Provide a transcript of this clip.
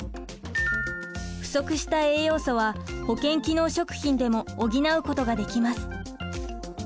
不足した栄養素は保健機能食品でも補うことができます。